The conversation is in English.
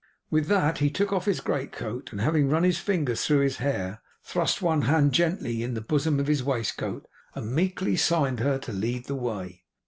With that he took off his great coat, and having run his fingers through his hair, thrust one hand gently in the bosom of his waist coat and meekly signed to her to lead the way.